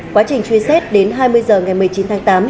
quá trình truy xét đến hai mươi h ngày một mươi chín tháng tám